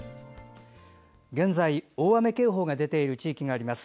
現在、大雨警報が出ている地域があります。